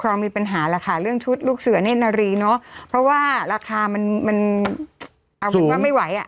ราคาเรื่องชุดลูกเสือแน่นรีเนาะเพราะว่าราคามันเอาเป็นว่าไม่ไหว